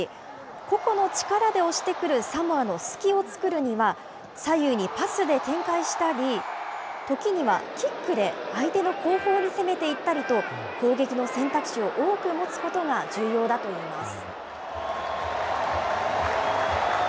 個々の力で押してくるサモアの隙を作るには、左右にパスで展開したり、時にはキックで相手の後方に攻めていったりと、攻撃の選択肢を多く持つことが重要だといいます。